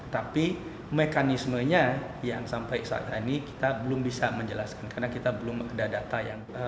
tapi mekanismenya yang sampai saat ini kita belum bisa menjelaskan karena kita belum ada data yang